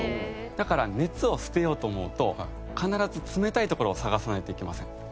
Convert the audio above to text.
だから熱を捨てようと思うと必ず冷たい所を探さないといけません。